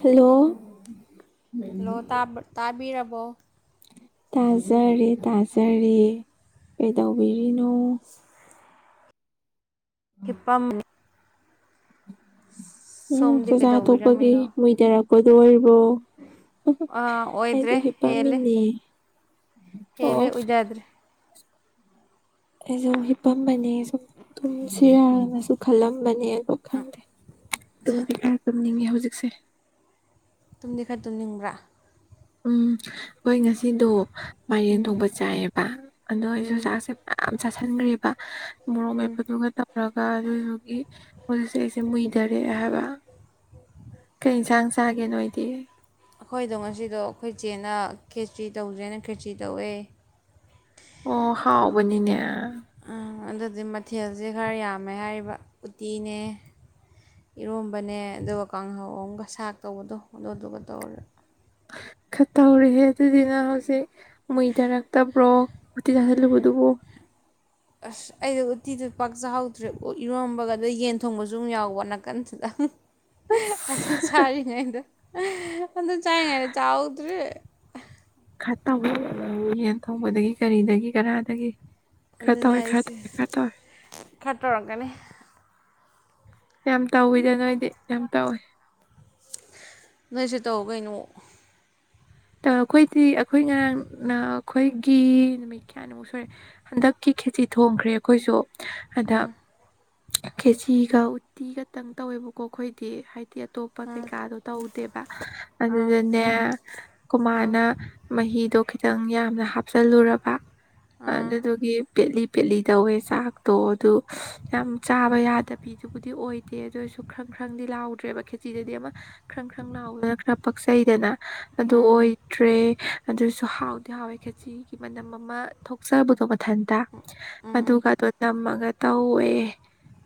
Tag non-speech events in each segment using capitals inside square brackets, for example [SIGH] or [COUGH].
Hello hello ꯇꯥꯕ ꯇꯥꯕꯤꯔꯕꯣ ꯇꯥꯖꯔꯤ ꯇꯥꯖꯔꯤ ꯀꯩ ꯇꯧꯕꯤꯔꯤꯅꯣ ꯍꯤꯄꯝꯅꯤ ꯎꯝ ꯁꯣꯝꯗꯤ ꯆꯥꯛꯆꯥꯥ ꯊꯣꯛꯄꯒꯤ ꯀꯩꯗꯧꯕꯤꯔꯝꯃꯤꯅꯣ ꯃꯨꯏꯊꯔꯛꯄꯗꯣ ꯑꯣꯏꯔ ꯣ ꯑꯥ ꯑꯩꯁꯨ ꯑꯣꯏꯗ꯭ꯔꯦ ꯍꯤꯄꯝꯅꯦ ꯍꯦꯜꯂꯦ ꯍꯦꯜꯂꯦ ꯑꯣꯖꯗ꯭ꯔꯦ ꯑꯩꯁꯨ ꯍꯤꯄꯝꯕꯅꯤ ꯁꯨꯝ ꯑꯗꯨꯨꯝ ꯁꯤꯔꯅ ꯨ ꯈꯜꯂꯝꯕꯅꯦꯕ ꯈꯟꯗꯦ ꯑꯗꯨꯝ ꯀꯩ ꯈꯔ ꯇꯝꯅꯤꯡꯉꯦ ꯍꯧꯖꯤꯛꯁꯦ ꯇꯨꯝꯗꯤ ꯈꯔ ꯇꯨꯝꯅꯤꯡꯕ꯭ꯔꯥ ꯎꯝ ꯍꯣꯏ ꯉꯁꯤꯗꯣ ꯃꯥꯏꯔꯦꯟ ꯊꯣꯡꯕ ꯆꯥꯏꯑꯕ ꯑꯗꯣ ꯑꯩꯁꯨ ꯆꯥꯛꯁꯦ ꯌꯥꯝ ꯆꯥꯥꯁꯟꯈ꯭ꯦꯔꯤꯕ ꯃꯣꯔꯣꯛ ꯃꯩꯄꯨꯗꯨꯒ ꯅꯔꯒ ꯑꯗꯨꯗꯨꯒꯤ ꯃꯁꯦ ꯑꯩꯁꯦ ꯃꯨꯏꯗꯔꯦ ꯍꯥꯏꯕ ꯀꯩ ꯌꯦꯟꯁꯥꯡ ꯆꯥꯒꯦ ꯅꯣꯣꯏꯗꯤ ꯑꯩꯈꯣꯏꯗꯣ ꯉꯁꯤꯗꯣ ꯑꯩꯈꯣꯏ ꯏꯆꯦꯅ ꯈꯦꯇ꯭ꯔꯤ ꯇꯧꯖ꯭ꯔꯦꯅ ꯈꯦꯇ꯭ꯔꯤ ꯇꯧꯋꯦ ꯑꯣ ꯍꯥꯎꯕꯅꯤꯅꯦ ꯑꯗꯨꯗꯤ ꯃꯊꯦꯜꯁꯦ ꯈꯔ ꯌꯥꯝꯃꯦ ꯍꯥꯏꯔꯤꯕ ꯎꯇꯤꯅꯦ ꯏꯔꯣꯝꯕꯅꯦ ꯑꯗꯨꯒ ꯀꯥꯡꯍꯧꯝꯒ ꯁꯥꯛ ꯇꯧꯕꯗꯣ ꯑꯗꯨꯗꯨ ꯇꯧꯔꯦ ꯈ ꯇꯧꯔꯤꯍꯦ ꯑꯗꯨꯗꯨꯅ ꯍꯧꯖꯤꯛ ꯃꯏ ꯇꯔꯛꯇꯕ꯭ꯔꯣ ꯎꯇꯤ ꯇꯥꯁꯤꯜꯂꯨꯕꯗꯨꯕꯨꯣ [UNINTELLIGIBLE] ꯑꯁ ꯑꯩꯗꯣ ꯎꯠꯇꯤꯗꯨ ꯄꯥꯛꯆꯍꯧꯗ꯭ꯔꯦ ꯏꯔꯣꯝꯕꯒ ꯑꯗꯨꯗ ꯌꯦꯟ ꯊꯣꯡꯕꯁꯨ ꯑꯗꯨꯝ ꯌꯥꯎꯕ ꯅꯥꯀꯟꯗꯨꯗꯪ ꯑꯗꯨ ꯑꯁ ꯁꯥꯔꯤꯉꯩꯗ ꯑꯗ ꯆꯥꯏꯌꯦ ꯉꯔ ꯆꯥꯎꯗꯨ ꯈꯠꯇ ꯌꯦꯟ ꯊꯣꯡꯕꯗꯒꯤ ꯀꯔꯤꯗꯒꯤ ꯀꯔꯥꯗꯒꯤ ꯈꯔꯗ ꯑꯗꯨꯅ ꯑꯣꯏ ꯈꯔꯗ ꯈꯔꯗ ꯑꯣꯏ ꯇꯔꯝꯒꯅꯤ ꯌꯥꯝ ꯇꯥꯎꯋꯤꯗ ꯅꯣꯏꯗꯤ ꯌꯥꯝ ꯇꯥꯎꯏꯦ ꯅꯣꯏꯁꯤ ꯇꯧ ꯀꯩꯅꯣ ꯇ ꯑꯩꯈꯣꯏꯗꯤ ꯑꯩꯈꯣꯏ ꯉꯔꯥꯡ ꯑꯩꯈꯣꯏꯒꯤ ꯅꯨꯃꯤꯠ ꯀꯌꯥꯅꯤꯃꯨꯛ ꯁꯔꯦ ꯍꯟꯗꯛꯀꯤ ꯈꯦꯇꯤ ꯊꯣꯡꯈ꯭ꯔꯦ ꯑꯩꯈꯣꯏꯁꯨ ꯑꯗ ꯎꯝ ꯀꯦꯆꯒ ꯎꯠꯇꯤꯒꯇꯪ ꯇꯧꯋꯦꯕꯀꯣ ꯑꯩꯈꯣꯏꯗꯤ ꯍꯥꯏꯗꯤ ꯑꯇꯣꯞꯄ ꯎꯝ ꯀꯩꯀꯥꯗꯣ ꯇꯧꯗꯦꯕ ꯑꯥ ꯑꯗꯨꯗꯅꯦ ꯀꯨꯃꯥꯅ ꯃꯍꯤꯗꯣ ꯈꯤꯇꯪ ꯌꯥꯝꯅ ꯍꯥꯞꯆꯜꯂꯨꯔꯕ ꯑꯥ ꯑꯗꯗꯒꯂꯤ ꯄꯦꯠꯂꯤ ꯇꯧꯋꯦ ꯆꯥꯛꯇꯣ ꯑꯗꯨ ꯌꯥꯝ ꯆꯥꯕ ꯌꯥꯗꯕꯤꯤꯗꯨꯕꯨꯗꯤ ꯑꯣꯏꯗꯦ ꯑꯗꯨ ꯑꯣꯏꯔꯁꯨ ꯈꯔ ꯈ꯭ꯔꯪꯗꯤ ꯂꯥꯎꯗ꯭ꯔꯦꯕ ꯈꯦꯇꯤꯗꯗꯤ ꯑꯃ ꯈ꯭ꯔꯪ ꯈ꯭ꯔꯪ ꯂꯥꯎꯗꯅ ꯈꯔ ꯄꯛꯆꯩꯗꯅ ꯑꯗꯨ ꯎꯝ ꯑꯣꯏꯗ꯭ꯔꯦ ꯑꯗꯨꯁꯨ ꯍꯥꯎꯗꯤ ꯍꯥꯎꯋꯦ ꯈꯥꯖꯤꯒꯤ ꯃꯅꯝ ꯑꯃ ꯊꯣꯛꯆꯕꯗꯣ ꯃꯊꯟꯇ ꯑꯗꯨꯒꯗꯣ ꯇꯝꯃꯒ ꯇꯧꯋꯦ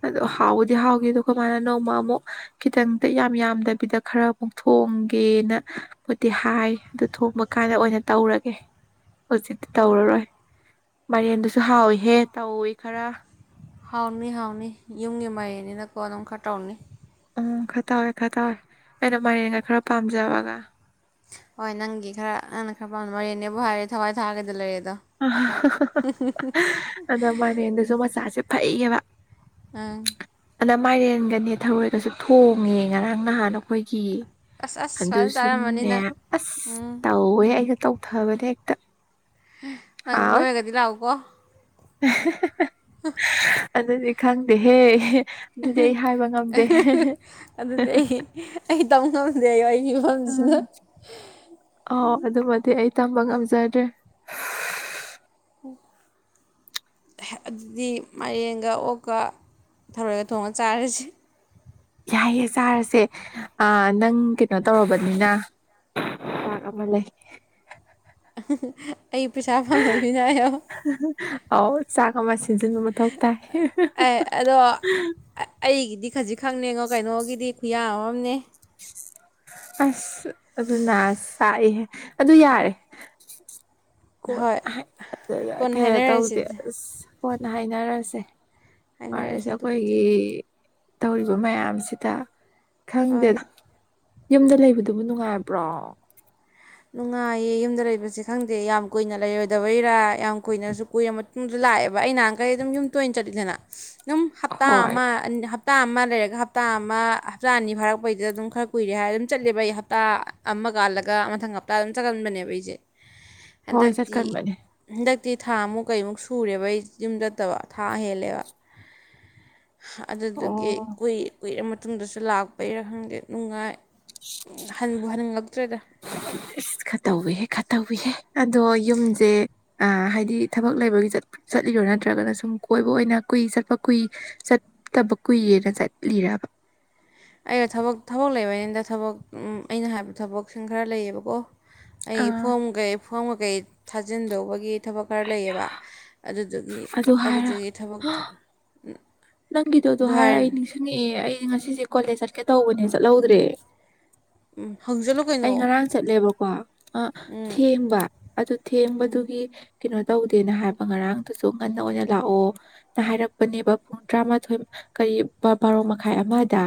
ꯑꯗꯣ ꯍꯥꯎꯕꯗꯤ ꯍꯥꯎꯈꯤꯗ ꯀꯃꯅ ꯅꯣꯡꯃ ꯑꯃꯨꯛ ꯈꯤꯇꯪꯗꯤ ꯌꯥꯝ ꯌꯥꯝꯗꯕꯤꯗ ꯈꯔ ꯑꯃꯨꯛ ꯊꯣꯛ ꯄꯣꯡꯒꯦꯅ ꯤ ꯍꯥꯏ ꯑꯗꯨ ꯊꯣꯡꯕ ꯀꯥꯟꯗ ꯑꯣꯏꯅ ꯇꯧꯔꯒꯦ ꯍꯧꯖꯤꯛꯇꯤ ꯍꯣꯏ ꯇꯧꯔꯔꯣꯏ ꯃꯦꯟꯗꯨꯁꯨ ꯍꯥꯎꯏꯍꯦ ꯇꯧꯏꯤ ꯈꯔ ꯍꯥꯎꯅꯤ ꯍꯥꯎꯅꯤ ꯌꯨꯝꯒꯤ ꯃꯥꯏꯔꯦꯟꯅꯤꯅꯥꯀꯣ ꯑꯗꯨꯝ ꯈꯔ ꯇꯧꯅꯤ ꯎꯝ ꯈꯔ ꯇꯧꯋꯦ ꯈꯔ ꯇꯥꯎꯋꯦ ꯑꯩꯅ ꯃꯥꯏꯅꯦꯅ ꯈꯔ ꯄꯥꯝꯖꯕꯒ ꯍꯣꯏ ꯅꯪꯒꯤ ꯈꯔ ꯅꯪꯅ ꯈꯔ ꯄꯥꯝ ꯃꯣꯔꯦꯅꯦꯕꯨ ꯍꯥꯏꯔꯦ ꯊꯋꯥꯏ ꯊꯥꯒꯗ ꯂꯩꯔꯦ ꯑꯗ ꯃꯅꯦꯟꯗꯁꯨ ꯃꯆꯥꯁꯦ ꯐꯩꯌꯦꯕ ꯑꯝ ꯑꯅ ꯃꯥꯏꯔꯦꯟꯒꯅꯦ ꯊꯔꯣꯏꯒꯁꯨ ꯊꯣꯡꯉꯦ ꯉꯔꯥꯡ ꯅꯍꯥꯟ ꯑꯩꯈꯣꯏꯒꯤ ꯑꯁ ꯑꯁ ꯐꯖꯅ ꯆꯥꯔꯝꯃꯅꯤ ꯑꯗꯨꯁꯨꯅꯦ ꯅꯪ ꯑꯁ ꯎꯝ ꯇꯧꯋꯦ ꯑꯩꯒ ꯇꯧ ꯊꯥꯕꯗꯤ ꯑꯦꯛꯇ ꯅꯪ ꯅꯣꯏꯔꯒꯗꯤ ꯂꯥꯛꯎꯀꯣ ꯍ [UNINTELLIGIBLE] ꯗꯤ ꯈꯪꯗꯦ ꯍꯦ ꯑꯗꯨꯗꯤ ꯑꯩ ꯑꯩ ꯇꯧ ꯉꯝꯗꯦ ꯑꯩ ꯑꯩꯒꯤ ꯑ ꯐꯤꯕꯝꯁꯤꯅ ꯑꯣ ꯑꯗꯨꯗ ꯃꯗꯤ ꯇꯝꯕ ꯉꯝꯖꯗ꯭ꯔꯦ [UNINTELLIGIBLE] ꯑꯗꯨꯗꯤ ꯃꯔꯡꯒ ꯑꯣꯛꯀ ꯊꯔꯣꯏꯒ ꯊꯣꯡꯉ ꯆꯥꯔꯁꯤ ꯌꯥꯏꯌꯦꯦ ꯆꯥꯔꯁꯦ ꯅꯪ ꯀꯩꯅꯣ ꯇꯧꯔꯕꯅꯤꯅ ꯇ ꯑꯃ ꯂꯩ ꯑ ꯄꯁꯥꯕꯣꯗꯃꯤ ꯌꯥꯑꯣ ꯑ ꯆꯥꯛ ꯑꯃ ꯁꯤꯖꯟꯕ ꯃꯊꯧ ꯇꯥꯏ ꯗꯤ ꯈꯖꯤꯛ ꯈꯪꯅꯦꯉꯣ ꯀꯩꯅꯣꯒꯤꯗꯤ ꯈꯨꯌꯥ ꯑꯃꯝꯅꯦ [INAUDIBLE] ꯑꯁ ꯑꯗꯨꯅ ꯆꯥꯛꯏꯍꯦ ꯑꯗꯨ ꯌꯥꯔꯦ ꯍꯣꯏ ꯀꯣꯟꯅ ꯑꯗꯨꯗ ꯀꯣꯟꯅ ꯀꯩꯅꯣ ꯍꯥꯏꯅꯔꯁꯤ ꯇꯧꯗꯦ ꯑꯁ ꯀꯣꯟꯅ ꯍꯥꯏꯅꯔꯁꯦ ꯍꯥꯏꯅꯔꯁꯤ ꯐꯔꯦꯁꯦ ꯑꯗꯨꯕꯨꯗꯤ ꯑꯩꯈꯣꯏꯒꯤ ꯇꯧꯔꯤꯕ ꯃꯌꯥꯝꯁꯤꯗ ꯍꯣꯏ ꯈꯪꯗꯦꯗ ꯌꯨꯝꯗ ꯂꯩꯕꯗꯨꯕꯨ ꯅꯨꯡꯉꯥꯏꯕ꯭ꯔꯣ ꯅꯨꯡꯉꯥꯏꯌꯦ ꯌꯨꯝꯗ ꯂꯩꯕꯁꯦ ꯈꯪꯗꯦ ꯌꯥꯝ ꯀꯨꯏꯅ ꯂꯩꯔꯨꯗꯕꯩꯔꯥ ꯌꯥꯝ ꯀꯨꯏꯅꯁꯨ ꯀꯨꯏꯔꯕ ꯃꯇꯨꯡꯗ ꯂꯥꯛꯑꯦꯕ ꯑꯩ ꯅꯍꯥꯟꯈꯩ ꯑꯗꯨꯝ ꯌꯨꯝ ꯇꯣꯏꯅ ꯆꯠꯂꯤꯗꯅ ꯑꯗꯨꯝ ꯍꯞꯇꯥ ꯍꯣꯏ ꯑꯃ ꯍꯞꯇꯥ ꯑꯃ ꯂꯩꯔꯒ ꯍꯞꯇꯥ ꯑꯃ ꯍꯞꯇꯥ ꯑꯅꯤ ꯐꯥꯔꯛꯄꯩꯗ ꯑꯗꯨꯝ ꯈꯔ ꯀꯨꯏꯔꯦ ꯍꯥꯏꯔ ꯑꯗꯨꯝ ꯆꯠꯂꯦꯕ ꯑꯩ ꯍꯞꯇꯥ ꯑꯃ ꯀꯥꯜ ꯂꯒ ꯃꯊꯪ ꯍꯞꯇꯥ ꯑꯗꯨꯝ ꯆꯠꯍꯟꯕꯅꯦꯕ ꯑꯩꯁꯦ ꯍꯣꯏ ꯍꯟꯗꯛꯇꯤ ꯍꯟ ꯆꯠꯀꯟꯕꯅꯦ ꯍꯟꯗꯛꯇꯤ ꯊꯥꯃꯨꯛ ꯀꯩꯃꯨꯛ ꯁꯨꯔꯦꯕ ꯑꯩ ꯌꯨꯝ ꯆꯠꯇꯕ ꯊꯥ ꯍꯦꯜꯂꯦꯕ ꯑꯗꯨꯗꯨꯒꯤ ꯑꯣ ꯀꯨꯏꯔ ꯃꯇꯨꯡꯗꯁꯨ ꯂꯥꯛꯄꯩꯔꯥ ꯈꯪꯗꯦ ꯅꯨꯡꯉꯥꯏ ꯎ ꯍꯟꯕꯨ ꯍꯟꯅꯤꯡꯂꯛꯇ꯭ꯔꯦꯗ ꯇꯧꯋꯤ ꯍꯦ ꯑꯗꯣ ꯌꯨꯝꯁꯦ ꯑꯥ ꯍꯥꯏꯗꯤ ꯊꯕꯛ ꯂꯩꯕꯒꯤ ꯆꯠꯂꯤꯔꯣ ꯅꯠꯇ꯭ꯔꯒꯅ ꯁꯨꯝ ꯀꯣꯏꯕ ꯑꯣꯏꯅ ꯀꯨꯏ ꯆꯠꯄ ꯀꯨꯏ ꯆꯠꯇꯕ ꯀꯨꯏꯌꯦꯅ ꯆꯠꯂꯤꯔꯕ ꯑꯩ ꯊꯕꯛ ꯊꯕꯛ ꯂꯩꯕꯩꯅꯤꯗ ꯊꯕꯛ ꯑꯩꯅ ꯍꯥꯏꯕ ꯊꯕꯛꯁꯤꯡ ꯈꯔ ꯂꯩꯌꯦꯕꯀꯣ ꯑꯩ ꯑꯥ ꯐꯣꯝꯒꯩ ꯐꯣꯝ ꯀꯀꯩ ꯊꯥꯖꯤꯟꯗꯧꯕꯒꯤ ꯊꯕꯛ ꯈꯔ ꯑꯌꯥ ꯂꯩꯌꯦꯕ ꯑꯗꯨꯗꯨꯒꯤ ꯑꯗꯨ ꯍꯥꯏꯔ ꯑꯗꯨꯗꯨꯒꯤ ꯊꯕꯛ ꯍ, ꯅꯪꯒꯤꯗꯣ ꯑꯗꯨ ꯍꯥꯏꯔ ꯑꯩ ꯅꯤꯡꯁꯤꯡꯉꯛꯑꯦ ꯑꯩ ꯉꯁꯤꯁꯦ ꯀꯣꯂꯦꯖ ꯆꯠꯀꯦ ꯇꯧꯕꯅꯦ ꯆꯠꯍꯧꯗ꯭ꯔꯦ ꯎꯝ ꯍ ꯑꯩ ꯉꯔꯥꯡ ꯆꯠꯂꯦꯕꯀꯣ ꯊꯦꯡꯕ ꯑꯗꯨ ꯊꯦꯡꯕꯗꯨꯒꯤ ꯀꯩꯅꯣ ꯇꯧꯗꯦꯅ ꯍꯥꯏꯕ ꯉꯔꯥꯡꯗꯨꯁꯨ ꯉꯟꯅ ꯑꯣꯏꯅ ꯂꯥꯛꯑꯣꯅ ꯍꯥꯏꯔꯛꯄꯅꯦꯕ ꯄꯨꯡ ꯇꯔꯥꯃꯥꯊꯣꯏ ꯀꯔꯤ ꯕꯥꯔꯣ ꯃꯈꯥꯏ ꯑꯃꯗ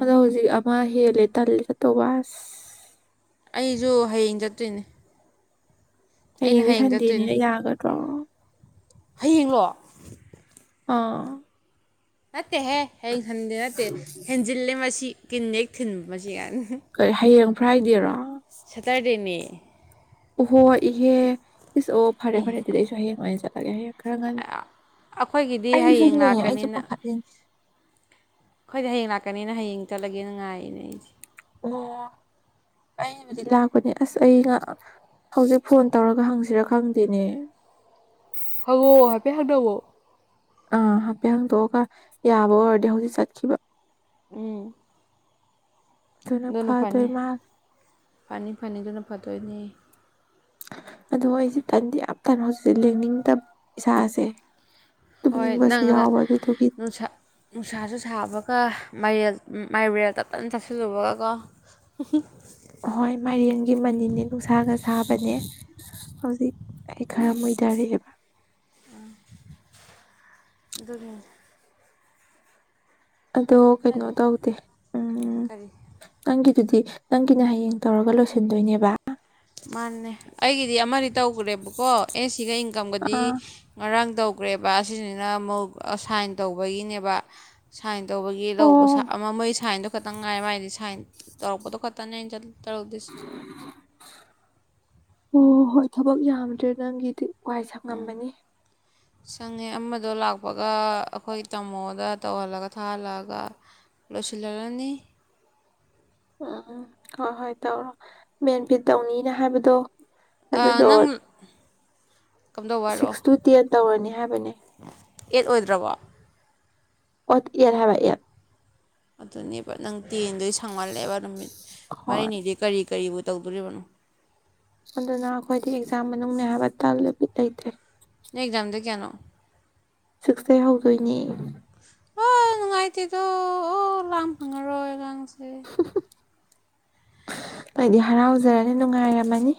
ꯑꯗꯣ ꯍꯧꯖꯤꯛ ꯃꯥ ꯍꯦꯜꯂꯦ ꯇꯜꯂꯦ ꯆꯠꯇꯧꯕꯥ ꯑꯁ ꯑꯩꯁꯨ ꯍꯌꯦꯡ ꯆꯠꯇꯣꯏꯅꯦ ꯑꯩꯅ ꯍꯌꯦꯡꯗꯤ ꯍꯌꯦꯡ ꯁꯟꯗꯦꯅꯤꯅ ꯌꯥꯒꯗ꯭ꯔ ꯍꯌꯦꯡ ꯂꯣ ꯑꯥ ꯅꯠꯇꯦꯍꯦ ꯍꯩ ꯍꯟꯗꯤ ꯅꯠꯇꯦ ꯍꯦꯟꯖꯤꯜꯂꯦ ꯃꯁꯤ ꯀꯤꯟꯅ ꯍꯦꯛ ꯊꯤꯟꯕ ꯃꯁꯤ [INAUDIBLE] ꯀꯔꯤ ꯍꯌꯦꯡ ꯐ꯭ꯔꯥꯏꯗꯦꯔꯣ ꯁꯦꯇ꯭ꯔꯗꯦꯅꯦ ꯎꯍꯣ ꯏꯍꯦ ꯏꯁ ꯑꯣ ꯐꯔꯦ ꯑꯦ ꯐꯔꯦ ꯑꯗꯨꯗꯤ ꯑꯩꯁꯨ ꯍꯌꯦꯡ ꯑꯣꯏꯅ ꯆꯠꯂꯒꯦ ꯍꯦ ꯈꯔ ꯉꯟꯅ ꯑꯩꯈꯣꯏꯒꯤꯗꯤ ꯍꯌꯦꯡ ꯑꯩꯁꯨꯅꯦ ꯑꯩꯁꯨ ꯄꯥꯈꯠꯂꯦ ꯑꯈꯣꯏꯗꯤ ꯍꯌꯦꯡ ꯂꯥꯛꯀꯅꯤꯅ ꯍꯌꯦꯡ ꯆꯠꯂꯒꯦ ꯉꯥꯏꯔꯤꯅꯦ ꯑꯩꯁꯦ ꯑꯣ ꯑꯩꯕꯨꯗꯤ ꯂꯥꯛꯄꯅꯤ ꯑꯁ ꯑꯩ ꯉ ꯍꯧꯖꯤꯛ ꯐꯣꯟ ꯇꯧꯔꯒ ꯍꯪꯁꯤꯔꯥ ꯈꯪꯗꯦꯅꯦ ꯍꯪꯉꯣ ꯍꯥꯏꯐꯦꯠ ꯍꯪꯅꯧꯑꯣ ꯑꯥ ꯍꯥꯏꯐꯦꯠ ꯍꯥꯡꯗꯣꯛꯑꯒ ꯌꯥꯕ ꯑꯣꯏꯔꯗꯤ ꯍꯧꯖꯤꯛ ꯆꯠꯁꯦꯕ ꯎꯝ ꯑꯗꯨꯅ ꯐꯗꯣꯏ ꯐꯅꯤ ꯃꯥꯜꯂꯦ ꯐꯅꯤ ꯐꯅꯤ ꯑꯗꯨꯅ ꯐꯗꯣꯏꯅꯦ ꯑꯗꯣ ꯑꯩꯁꯦ ꯇꯟꯗꯤ ꯌꯥꯝ ꯇꯟꯕ ꯍꯧꯖꯤꯛꯁꯦ ꯂꯦꯡꯅꯤꯡꯗꯕ ꯏꯁꯥꯁꯦ ꯍꯣꯏ ꯇꯨꯝꯅꯤꯡꯕꯁꯨ ꯅꯪꯗ ꯌꯥꯎꯕ ꯑꯗꯨꯗꯨꯒꯤ ꯅꯨꯡꯁꯥ ꯅꯨꯡꯁꯥꯁꯨ ꯁꯥꯕꯒ ꯃꯥꯏꯔꯦꯜ ꯃꯥꯢꯔꯦꯜ ꯇꯞ ꯇꯥꯏ ꯆꯥꯁꯤꯜꯂꯨꯕꯒ ꯍꯣꯏ ꯃꯥꯏꯔꯦꯟꯒꯤ ꯃꯅꯤꯟꯅꯦ ꯅꯨꯡꯁꯥꯒ ꯁꯥꯕꯅꯦ ꯍꯧꯖꯤꯛ ꯑꯩ ꯈꯔ ꯃꯨꯏꯗꯔꯛ ꯑꯦꯕ ꯑꯗꯨꯅꯦ ꯑꯗꯣ ꯀꯩꯅꯣ ꯇꯧꯗꯦ ꯎꯝ ꯀꯔꯤ ꯅꯪꯒꯤ ꯑꯗꯨꯗꯤ ꯅꯪꯒꯤꯅ ꯍꯌꯦꯡ ꯇꯧꯔꯒ ꯂꯣꯏꯁꯤꯟꯗꯣꯏꯅꯦꯕ ꯃꯥꯅꯦ ꯑꯩꯒꯤꯗꯤ ꯑꯃꯗꯤ ꯇꯧꯈ꯭ꯔꯦꯕꯀꯣ ꯑꯦꯁ ꯁꯤꯒ ꯏꯟꯀꯝꯒꯗꯤ ꯑꯥ ꯉꯔꯥꯡ ꯇꯧꯈ꯭ꯔꯦ ꯑꯁꯤꯁꯤꯅ ꯑꯃꯨꯛ ꯁꯥꯏꯟ ꯇꯧꯕꯒꯤꯅꯦꯕ ꯁꯥꯏꯟ ꯇꯧꯕꯒꯤ ꯂꯧꯕ ꯑꯣ ꯑꯃ ꯃꯣꯏꯒꯤ ꯁꯥꯏꯟꯗꯣ ꯈꯇꯪ ꯉꯥꯏ ꯃꯥꯏꯗꯤ ꯁꯥꯏꯟ ꯇꯧꯛꯄꯣ ꯈꯠꯇꯅꯦ ꯆꯠ [UNINTELLIGIBLE] ꯇꯧꯗꯁꯤ ꯎꯝ ꯑꯣ ꯍꯣꯏ ꯊꯕꯛ ꯌꯥꯝꯗ꯭ꯔꯦꯗ ꯅꯪꯒꯤꯗꯤ ꯋꯥꯏ ꯁꯪꯉꯝꯃꯅꯤ꯫ ꯁꯪꯉꯦ ꯑꯃꯗꯣ ꯂꯥꯛꯄꯒ ꯑꯩꯈꯣꯏ ꯇꯥꯃꯣꯗ ꯇꯧꯍꯜꯂꯒ ꯊꯥꯍꯜꯂꯛꯑꯒ ꯂꯣꯏꯁꯤꯟꯂꯨꯔꯅꯤ ꯎꯝ ꯎꯝ ꯍꯣꯏ ꯍꯣꯏ ꯇꯧꯔꯣ ꯃꯦꯟꯐꯤꯠ ꯇꯧꯅꯤꯅ ꯍꯥꯏꯕꯗꯣ꯫ ꯑꯥ ꯑꯗꯨꯗꯣ ꯅꯪ ꯀꯝꯗꯧꯕ ꯍꯥꯏꯔꯛꯑꯣ ꯁꯤꯛꯁ ꯇꯨ ꯇꯦꯟ ꯇꯧꯔꯅꯤ꯫ ꯍꯥꯏꯕꯅꯦ ꯑꯦꯠ ꯑꯣꯏꯗ꯭ꯔꯕꯣ꯫ ꯑꯣ ꯑꯦꯠ ꯍꯥꯏꯕ ꯑꯦꯠ ꯑꯗꯨꯅꯦꯕ ꯅꯪ ꯇꯦꯟꯗꯣ ꯁꯥꯡꯃꯜꯂꯦꯕ ꯅꯨꯃꯤꯠ ꯍꯣꯏ ꯃꯔꯤꯅꯤꯗꯤ ꯀꯔꯤ ꯀꯔꯤꯕꯨ ꯇꯧꯗꯧꯔꯤꯕꯅꯣ꯫ ꯑꯗꯨꯅ ꯑꯩꯈꯣꯏꯗꯤ ꯑꯦꯛꯖꯥꯝ ꯃꯅꯨꯡꯅꯦ ꯍꯥꯏꯕ ꯇꯟꯂꯦ ꯕꯤꯠ ꯂꯩꯇꯦ꯫ ꯅꯪ ꯑꯦꯛꯖꯥꯝ ꯗꯦꯠ ꯀꯌꯥꯅꯣ꯫ ꯁꯤꯛꯁꯇꯩ ꯍꯧꯗꯣꯏꯅꯦ ꯫ ꯑꯣ ꯅꯨꯡꯉꯥꯏꯇꯦꯗꯣ ꯑꯣ ꯂꯥꯡ ꯐꯪꯉꯔꯣꯏ ꯑꯉꯥꯡꯁꯦ꯫ ꯅꯪꯗꯤ ꯍꯔꯥꯎꯖꯔꯅꯤ ꯅꯨꯡꯉꯥꯏꯔꯝꯃꯅꯤ꯫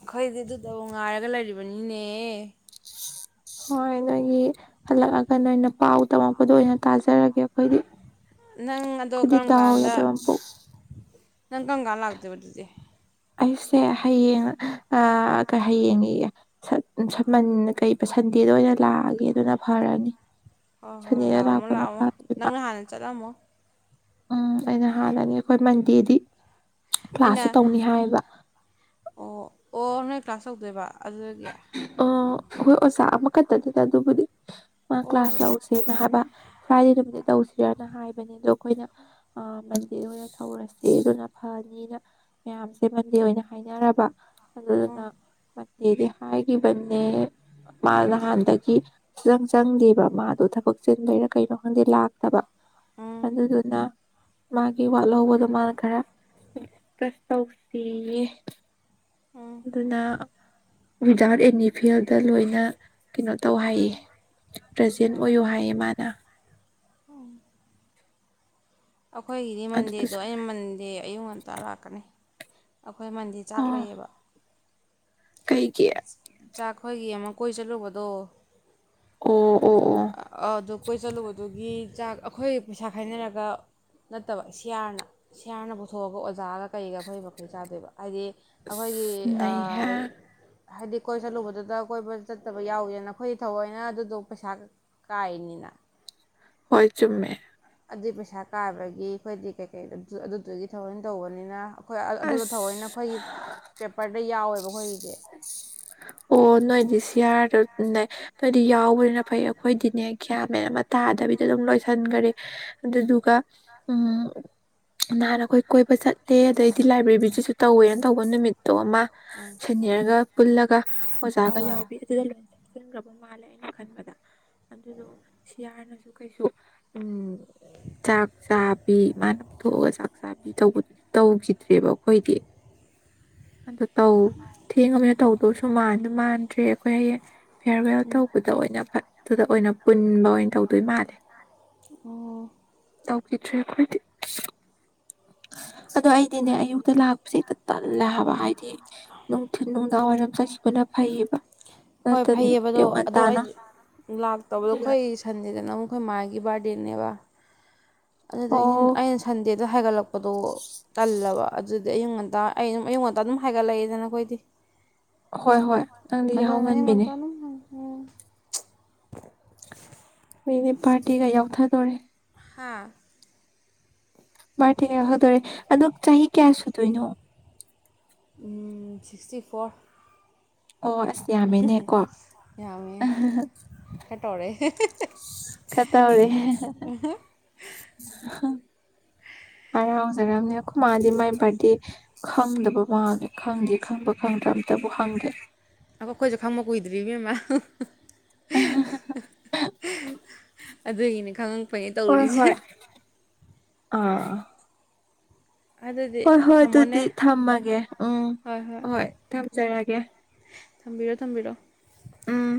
ꯑꯩꯈꯣꯏꯗꯤ ꯑꯗꯨꯗꯕꯨ ꯉꯥꯏꯔꯒ ꯂꯩꯔꯤꯕꯅꯤꯅꯦ ꯫ ꯍꯣꯏ ꯅꯣꯏꯒꯤ ꯍꯜꯂꯛꯑꯒ ꯅꯣꯏꯅ ꯄꯥꯎ ꯇꯝꯃꯛꯄꯗꯣ ꯑꯣꯏꯅ ꯇꯥꯖꯔꯒꯦ ꯑꯩꯈꯣꯏꯗꯤ꯫ ꯅꯪ ꯑꯗꯣ ꯑꯩꯈꯣꯏꯗꯤ ꯀꯔꯝ ꯗꯥꯎ ꯀꯥꯟꯗ ꯌꯥꯗꯕ ꯃꯄꯣꯛ ꯅꯪ ꯀꯔꯝ ꯀꯥꯟ ꯂꯥꯛ ꯇꯣꯏꯕ ꯑꯗꯨꯗꯤ꯫ ꯑꯩꯁꯦ ꯍꯌꯦꯡ ꯑꯥ ꯍꯌꯦꯡ ꯍꯥꯢꯌꯦ [UNINTELLIGIBLE] ꯁꯃꯟ ꯀꯩ ꯁꯟꯗꯦꯗ ꯑꯣꯏꯅ ꯂꯥꯛꯑꯒꯦ ꯑꯗꯨꯅ ꯐꯔꯅꯤ꯫ ꯍꯣꯏ ꯍꯣꯏ ꯁꯟꯗꯦꯗ ꯂꯥꯛꯑꯝꯃꯣ ꯂꯥꯛꯄꯅ ꯂꯥꯛꯑꯝꯃꯣ ꯐꯗꯣꯏꯕ ꯅꯪꯅ ꯍꯥꯟꯅ ꯆꯠꯂꯝꯃꯣ꯫ ꯎꯝ ꯑꯩꯅ ꯍꯥꯜꯂ ꯅꯤ ꯑꯩꯈꯣꯏ ꯃꯟꯗꯦꯗꯤ ꯀ꯭ꯂꯥꯁꯁꯨ ꯑꯩꯅ ꯇꯧꯅꯤ ꯍꯥꯏꯌꯦꯌ꯫ ꯑꯣ ꯑꯣ ꯅꯣꯏ ꯀ꯭ꯂꯥꯁ ꯇꯧꯗꯣꯏꯕ ꯑꯗꯨꯗꯤ ꯌꯥꯏ ꯑꯣ ꯑꯩꯈꯣꯏ ꯑꯣꯖꯥ ꯑꯃꯈꯛꯇꯅꯤꯗ ꯑꯗꯨꯕꯨꯗꯤ ꯃꯥ ꯀ꯭ꯂꯥꯁ ꯑꯣ ꯂꯧꯎꯁꯦꯅ ꯍꯥꯏꯕ ꯐ꯭ꯔꯥꯏꯗꯦ ꯅꯨꯃꯤꯠꯇ ꯇꯧꯁꯦ꯫ ꯁꯤꯔꯅ ꯍꯥꯏꯕꯅꯤ ꯑꯗꯣ ꯑꯩꯈꯣꯏꯅ ꯃꯟꯗꯦꯗ ꯑꯣꯏꯅ ꯊꯧꯔꯁꯦ ꯑꯗꯨꯅ ꯐꯅꯤꯅ ꯃꯌꯥꯝꯁꯦ ꯃꯟꯗꯦ ꯑꯣꯏꯅ ꯍꯥꯏꯅꯔꯕ ꯑꯗꯨꯗꯨꯅ ꯎꯝ [UNINTELLIGIBLE] ꯍꯥꯏꯒꯤꯕꯅꯦ꯫ ꯃꯥ ꯅꯍꯥꯟꯗꯒꯤ [UNINTELLIGIBLE] ꯆꯪꯗꯦꯕ ꯃꯥꯗꯣ ꯊꯕꯛ ꯆꯤꯟꯕꯩꯔꯥ ꯀꯩꯅꯣ ꯈꯪꯗꯦ ꯂꯥꯛꯇꯕ꯫ ꯎꯝ ꯑꯗꯨꯗꯨꯅ ꯃꯥꯒꯤ ꯋꯥꯠꯍꯧꯕꯗꯣ ꯃꯥꯅ ꯈꯔ [UNINTELLIGIBLE] ꯇꯧꯁꯤꯌꯦ ꯎꯝ ꯑꯗꯨꯅ ꯋꯤꯠꯗꯥꯎꯠ ꯑꯦꯅꯤ ꯐꯦꯜꯗ ꯂꯣꯏꯅ ꯀꯩꯅꯣ ꯇꯧ ꯍꯥꯏꯌꯦ ꯄ꯭ꯔꯖꯦꯟ ꯑꯣꯏꯌꯣ ꯍꯥꯏꯌꯦ ꯃꯥꯅ ꯎꯝ ꯑꯩꯈꯣꯏꯒꯤꯗꯤ ꯃꯟꯗꯦꯗꯣ ꯑꯗꯨꯗꯨꯁꯨ ꯑꯩꯅ ꯃꯟꯗꯦ ꯑꯌꯨꯛ ꯉꯟꯇꯥ ꯂꯥꯛꯀꯅꯤ꯫ ꯑꯩꯈꯣꯏ ꯃꯟꯗꯤꯔ ꯆꯥꯛ ꯂꯩꯌꯦꯕ ꯀꯩ ꯀ ꯆꯥꯛꯈꯣꯏꯒꯤ ꯑꯃ ꯀꯣꯏ ꯆꯠꯂꯨꯕꯗꯣ ꯑꯣ ꯑꯣ ꯑꯣ ꯑꯗꯨ ꯀꯣꯏ ꯆꯠꯂꯨꯕꯗꯨꯒꯤ ꯆꯥꯛ ꯑꯩꯈꯣꯏ ꯄꯩꯁꯥ ꯈꯥꯏꯅꯔꯒ ꯅꯠꯇꯕ ꯁꯤꯌꯥꯔꯅ ꯁꯤꯌꯥꯔꯅ ꯄꯨꯊꯣꯛꯑꯒ ꯑꯣꯖꯥꯒ ꯀꯩꯒ ꯑꯩꯈꯣꯏ ꯃꯈꯩ ꯆꯥꯗꯣꯏꯕ ꯍꯥꯏꯗꯤ ꯑꯩꯈꯣꯏꯒꯤ ꯑꯁ ꯅꯩꯍꯦ ꯍꯥꯏꯗꯤ ꯀꯣꯏꯕ ꯆꯠꯂꯨꯕꯗꯨꯗ ꯀꯣꯏꯕ ꯆꯠꯇꯕ ꯌꯥꯎꯋꯦꯅꯈꯣꯏꯗꯤ ꯊꯧꯑꯣꯏꯅ ꯑꯗꯨꯗꯣ ꯄꯩꯁꯥ ꯀꯅꯤꯅ ꯍꯣꯏ ꯆꯨꯝꯃꯦ ꯑꯗꯨꯏ ꯄꯩꯁꯥ ꯀꯥꯕꯒꯤ ꯑꯩꯈꯣꯏꯗꯤ ꯀꯩꯀꯩ ꯑꯗꯨꯗꯨꯒꯤ ꯊꯑꯣꯏꯅ ꯇꯧꯕꯅꯤꯅ ꯑꯩꯈꯣꯏ ꯑꯗꯨꯗ ꯊꯑꯣꯏꯅ ꯑꯁ ꯑꯩꯈꯣꯏꯒꯤ ꯄꯦꯄꯔꯗ ꯌꯥꯎꯋꯦꯕ ꯑꯩꯈꯣꯏꯒꯤꯗꯤ ꯑꯣ ꯅꯣꯏ ꯗꯤꯁꯤꯌꯥꯔ ꯅ ꯑꯗꯨꯗꯤ ꯌꯥꯎꯕꯅꯤꯅ ꯐꯩ ꯑꯩꯈꯣꯏꯗꯤꯅꯦ ꯒ꯭ꯌꯥꯟ ꯃꯦꯟ ꯑꯃ ꯇꯥꯗꯕꯤꯗ ꯑꯗꯨꯝ ꯂꯣꯏꯁꯤꯟꯈꯔꯦ ꯑꯗꯨ ꯑꯗꯨꯒ ꯎꯝ ꯅꯍꯥꯟ ꯑꯩꯈꯣꯏ ꯀꯣꯏꯕ ꯆꯠꯂꯦ ꯑꯗꯩꯗꯤ ꯂꯥꯏꯕ꯭ꯔꯦꯔꯤꯁꯨ ꯇꯧꯋꯦꯅ ꯇꯧꯕ ꯅꯨꯃꯤꯠꯇꯣ ꯑꯃ ꯎꯝ ꯎꯝ ꯎꯝ ꯁꯦꯅꯤꯌꯔꯒ ꯄꯨꯜꯂꯒ ꯍꯣꯏ ꯑꯣꯖꯥꯒ ꯍꯣꯏ ꯌꯥꯎꯕꯤ ꯑꯗꯨꯗ ꯂꯣꯏꯅ ꯍꯥꯞꯆꯤꯟꯈ꯭ꯔꯕ ꯃꯥꯜꯂꯦ ꯑꯩꯅ ꯈꯟꯕꯗ ꯑꯗꯨꯗꯣ ꯁꯤꯌꯥꯔꯅꯁꯨ ꯀꯩꯁꯨ ꯎꯝ ꯆꯥꯛ ꯆꯥꯕꯤ ꯃꯥꯅꯄꯨꯊꯣꯛꯑꯒ ꯆꯥꯛ ꯆꯥꯕꯤ ꯇꯧꯕꯗꯨꯁꯨ ꯇꯧꯈꯤꯗꯔꯦ ꯦꯕ ꯑꯩꯈꯣꯏꯗꯤ ꯑꯗꯨ ꯇꯧ ꯊꯦꯡꯉꯃꯤꯅ ꯇꯧꯗꯧꯁꯨ ꯃꯥꯟꯁꯨ ꯃꯥꯟꯗ꯭ꯔꯦ ꯑꯩꯈꯣꯏ ꯍꯌꯦꯡ ꯐꯤꯌꯔꯋꯦꯜ ꯇꯧꯕꯗ ꯑꯣꯏꯅ ꯐꯠꯇꯨꯗ ꯑꯣꯏꯅ ꯄꯨꯟꯕ ꯑꯣꯏꯅ ꯇꯧꯗꯣꯏ ꯃꯥꯜꯂꯦ ꯎꯝ ꯇꯧꯈꯤꯗ꯭ꯔꯦ ꯑꯩꯈꯣꯏꯗꯤ ꯑꯗꯣ ꯑꯩ ꯗꯤꯅꯦ ꯑꯌꯨꯛꯇ ꯂꯥ ꯛꯄꯁꯦ ꯍꯦꯛꯇ ꯇꯜꯂꯦ ꯍꯥꯏꯕ ꯍꯥꯏꯗꯤ ꯅꯨꯡꯊꯤꯟ ꯅꯨꯡꯗꯥꯡꯋꯥꯏꯔꯝ ꯆꯠꯈꯤꯕꯅ ꯐꯩꯌꯦꯕ ꯅ ꯍꯣꯏ ꯇꯅꯤ ꯐꯩꯌꯦꯕꯗꯣ ꯏꯧ ꯑꯗꯣ ꯇꯅ ꯑꯩꯗꯤ [UNINTELLIGIBLE] ꯂꯥꯛꯇꯕꯗꯣ ꯑꯩꯈꯣꯏ ꯁꯟ ꯑꯩꯈꯣꯏ ꯃ ꯃꯥꯒꯤ ꯕꯥꯔꯗꯅꯦꯕ ꯑꯗꯨꯗꯒꯤ ꯑꯣ ꯑꯩꯅ ꯁꯟꯗꯦꯗ ꯁꯤꯗ ꯍꯥꯏꯒꯠꯂꯛꯄꯗꯣ ꯇꯜꯂꯕ ꯑꯗꯨꯗꯤ ꯑꯌꯨꯛ ꯉꯟꯇꯥ ꯑꯩ ꯑꯗꯨꯝ ꯑꯌꯨꯛ ꯉꯟꯇ ꯑꯗꯨꯝ ꯍꯥꯏꯒꯠꯂꯛꯏꯦꯗꯅ ꯑꯩꯈꯣꯏꯗꯤ ꯍꯣꯏ ꯍꯣꯏ ꯅꯪꯗꯤ ꯌꯥꯍꯧ ꯉꯟꯕꯤꯅꯤ ꯎꯝ ꯃꯁꯤꯒꯤ ꯕꯥꯔꯗꯦꯒ ꯌꯥꯎꯊꯗꯣꯔꯦ ꯍꯥꯥ ꯕꯥꯔꯗꯦ ꯌꯥꯎꯗꯨꯔꯦ ꯑꯗꯨ ꯆꯥꯍꯤ ꯀꯌꯥꯁꯨꯗꯣꯏꯅꯣ ꯁꯤꯛꯁꯇꯤ ꯐꯣꯔ ꯑꯣ ꯑꯁ ꯌꯥꯝꯃꯦꯅꯦꯀꯣ ꯌꯥꯝꯃꯦ ꯈꯔ ꯇꯧꯔꯦ ꯈꯔ ꯇꯩꯔꯦ ꯍꯥꯔꯥꯎꯖꯔꯝꯅꯤ ꯑꯩꯈꯣꯏ ꯃꯥꯗꯤ ꯃꯥꯏ ꯕꯥꯔꯗꯤ ꯈꯪꯗꯕ ꯃꯥꯜꯦ ꯈꯪꯗꯦ ꯈꯪꯕ ꯈꯪꯗ꯭ꯔ ꯑꯝꯇꯕꯨ ꯍꯪꯗꯦ ꯑꯩꯈꯣꯏꯁꯨ ꯈꯪꯕꯥ ꯃ ꯀꯨꯏꯗ꯭ꯔꯤ ꯏꯕꯦꯝ ꯃꯥ ꯑꯗꯨꯒꯤꯅꯤ ꯈꯪꯉꯥ ꯐꯩꯅꯅ [UNINTELLIGIBLE] ꯍꯣꯏ ꯇꯧꯔꯤꯁꯦ ꯍꯣꯏ ꯑꯥ ꯑꯗꯨꯗꯤ ꯍꯣꯏ ꯍꯣꯏ ꯊꯝꯃꯣꯅꯦ ꯑꯗꯨꯗꯤ ꯊꯝꯃꯒꯦ ꯎꯝ ꯍꯣꯏ ꯊꯝꯖꯔꯒꯦ ꯊꯝꯕꯤꯔꯣ ꯊꯝꯕꯤꯔꯣ ꯎꯝ